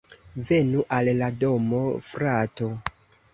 Venu al la domo, frato